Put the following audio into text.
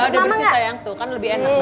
udah bersih sayang tuh kan lebih enak